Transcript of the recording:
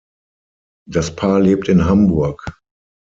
Das Paar lebt in Hamburg.